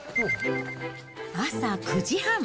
朝９時半。